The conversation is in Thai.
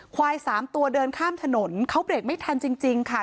ควายสามตัวเดินข้ามถนนเขาเบรกไม่ทันจริงค่ะ